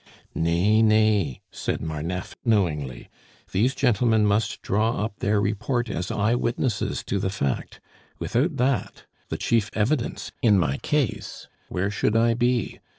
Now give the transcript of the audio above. "Nay, nay!" said Marneffe knowingly. "These gentlemen must draw up their report as eyewitnesses to the fact; without that, the chief evidence in my case, where should I be?